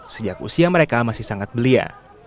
sejak usia mereka masih sangat belia